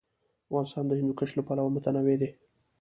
افغانستان د هندوکش له پلوه متنوع دی.